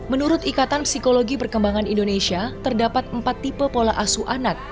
menurut ikatan psikologi perkembangan indonesia terdapat empat tipe pola asu anak